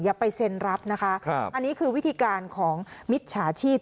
อย่าไปเซ็นรับนะคะอันนี้คือวิธีการของมิจฉาชีพ